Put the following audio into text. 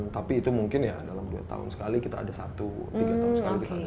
tapi itu mungkin dalam dua tahun sekali kita ada satu tiga tahun sekali kita ada satu